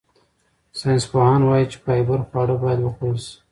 ساینسپوهان وايي چې فایبر خواړه باید وخوړل شي.